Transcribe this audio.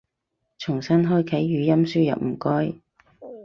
重新開啟語音輸入唔該